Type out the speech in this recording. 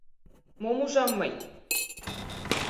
«Мом ужам мый?